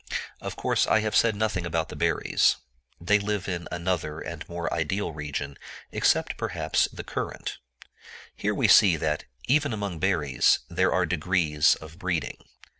Of course, I have said nothing about the berries. They live in another and more ideal region; except, perhaps, the currant. Here we see, that, even among berries, there are degrees of breeding.